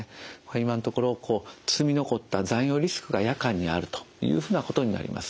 今のところ積み残った残余リスクが夜間にあるというふうなことになります。